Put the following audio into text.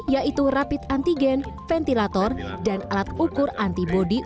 yaitu rapid antigen ventilator dan alat ukur antibody